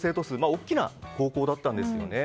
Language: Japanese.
大きな高校だったんですよね。